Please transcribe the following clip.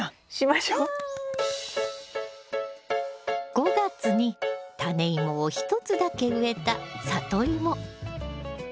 ５月にタネイモを１つだけ植えたサトイモ。